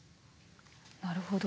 なるほど。